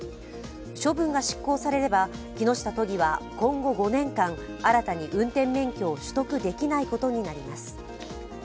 処分が執行されれば木下都議は今後５年間新たに運転免許を取得できないことになります。